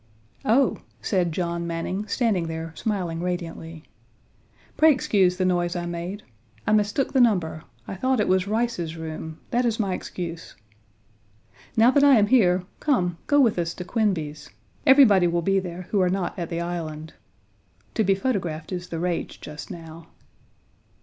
"Oh!" said John Manning, Page 28 standing there, smiling radiantly; "pray excuse the noise I made. I mistook the number; I thought it was Rice's room; that is my excuse. Now that I am here, come, go with us to Quinby's. Everybody will be there who are not at the Island. To be photographed is the rage just now.